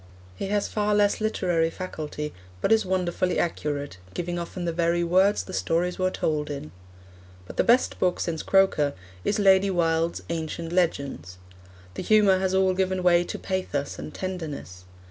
He has far less literary faculty, but is wonderfully accurate, giving often the very words the stories were told in. But the best book since Croker is Lady Wilde's Ancient Legends. The humour has all given way to pathos and tenderness.